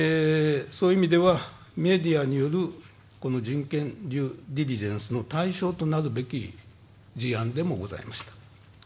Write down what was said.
そういう意味では、メディアによる人権デューデリジェンスの対象となるべき事案でもございました。